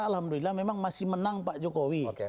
alhamdulillah memang masih menang pak jokowi